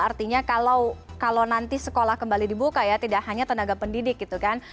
artinya kalau nanti sekolah kembali dibuka ya tidak hanya tenaga pendidik gitu kan